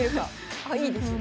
あいいですね。